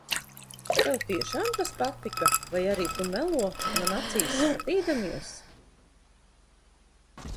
Tev tiešām tas patika, vai arī tu melo, man acīs skatīdamies?